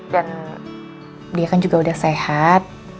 dan dia kan juga udah sehat